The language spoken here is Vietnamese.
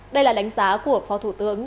đây là đánh giá của phó thủ tướng